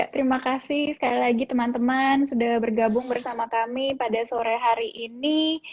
terima kasih sekali lagi teman teman sudah bergabung bersama kami pada sore hari ini